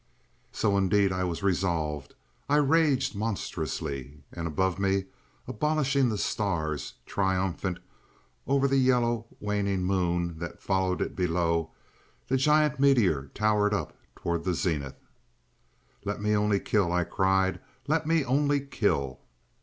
So indeed I was resolved. I raged monstrously. And above me, abolishing the stars, triumphant over the yellow waning moon that followed it below, the giant meteor towered up towards the zenith. "Let me only kill!" I cried. "Let me only kill!"